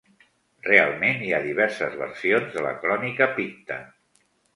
Realment hi ha diverses versions de la Crònica picta.